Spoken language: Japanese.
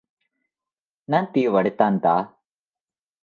なんて言われたんだ？